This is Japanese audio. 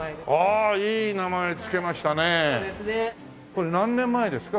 これ何年前ですか？